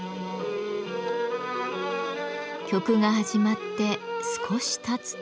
曲が始まって少したつと？